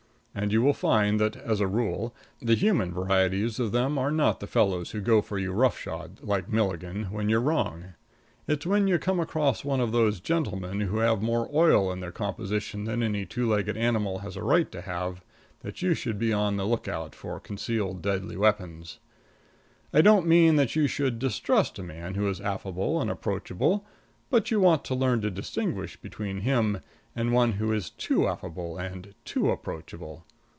And you will find that, as a rule, the human varieties of them are not the fellows who go for you rough shod, like Milligan, when you're wrong. It's when you come across one of those gentlemen who have more oil in their composition than any two legged animal has a right to have, that you should be on the lookout for concealed deadly weapons. I don't mean that you should distrust a man who is affable and approachable, but you want to learn to distinguish between him and one who is too affable and too approachable.